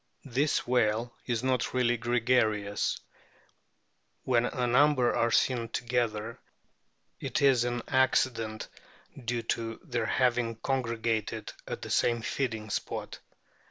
This whale is not really gregarious ; when a number are seen together it is an accident due to RIGHT WHALES 129 their having congregated at the same feeding spot.